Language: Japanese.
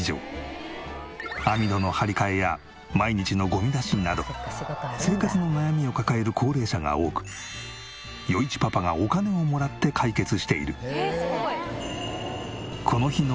網戸の張り替えや毎日のゴミ出しなど生活の悩みを抱える高齢者が多く余一パパがお金をもらって解決している。